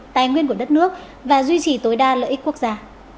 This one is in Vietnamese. tài nguyên của đất nước và duy trì tối đa lợi ích quốc gia